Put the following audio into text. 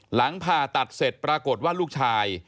หลังผ่าตัดเสร็จปรากฏว่าลูกชาย